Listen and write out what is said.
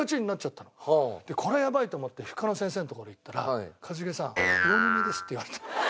これはやばいと思って皮膚科の先生の所に行ったら「一茂さん魚の目です」って言われた。